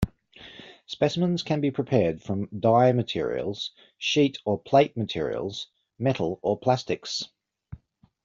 Specimens can be prepared from die materials, sheet or plate materials, metals or plastics.